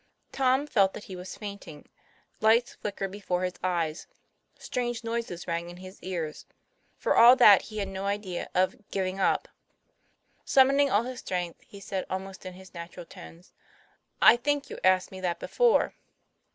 Tom felt that he was fainting; lights flickered It u PLAYFAIR. 71 fore his eyes, strange noises rang in his ears; for all that he had no idea of " giving up. " Summoning all his strength, he said, almost in his natural tones : I think you asked me that before."